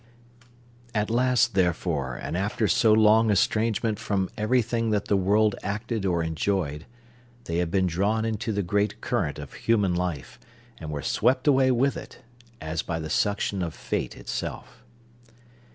At last, therefore, and after so long estrangement from everything that the world acted or enjoyed, they had been drawn into the great current of human life, and were swept away with it, as by the suction of fate itself.